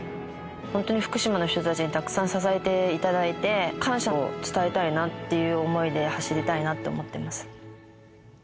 本当に福島の人たちにたくさん支えていただいて、感謝を伝えたいなっていう想いで走りたいなって思っています。